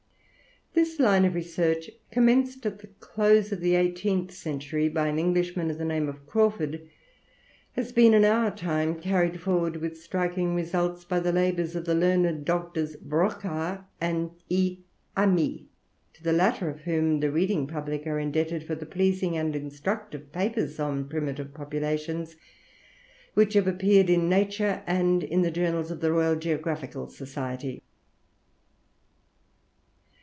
This line of research, commenced at the close of the eighteenth century by an Englishman of the name of Crawford, has been in our time carried forward with striking results by the labours of the learned Doctors Broca and E. Hamy, to the latter of whom the reading public are indebted for the pleasing and instructive papers on primitive populations which have appeared in Nature and in the journals of the Royal Geographical Society.